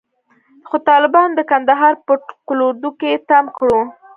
خو طالبانو د کندهار په قول اردو کښې تم کړو.